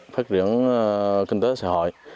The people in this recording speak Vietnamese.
phát triển kinh tế xã hội